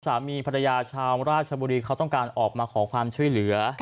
สามีภรรยาชาวราชบุรีเขาต้องการออกมาขอความช่วยเหลือ